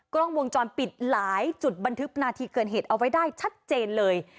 กล้องวงจรปิดหลายจุดบันทึกนาทีเกิดเหตุเอาไว้ได้ชัดเจนเลย